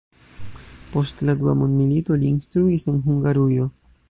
Post la dua mondmilito li instruis en Hungarujo.